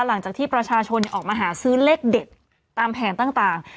หลังจากที่ประชาชนออกมาหาซื้อเลขเด็ดตามแผงต่าง